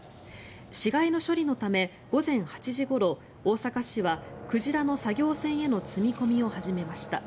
死骸の処理のため午前８時ごろ大阪市は鯨の作業船への積み込みを始めました。